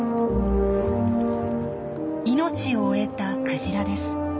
命を終えたクジラです。